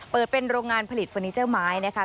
เปิดเป็นโรงงานผลิตเฟอร์นิเจอร์ไม้นะคะ